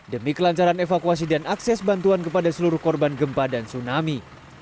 demi kelancaran evakuasi dan akses bantuan kepada seluruh korban gempa dan tsunami